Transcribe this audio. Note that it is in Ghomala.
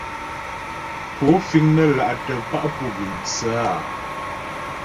Pó fíŋ nə́ là'tə̀ pá' pú gʉ́m tsə́ a ?